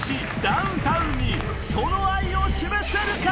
ダウンタウンにその愛を示せるか？